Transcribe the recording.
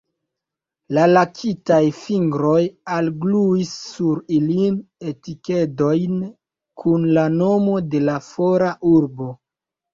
La lakitaj fingroj algluis sur ilin etikedojn kun la nomo de la fora urbo.